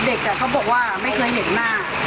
เด็กเขาบอกว่าไม่เคยเห็นมาก